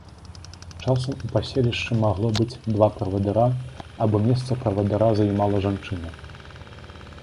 Часам у паселішчы магло быць два правадыра, або месца правадыра займала жанчына.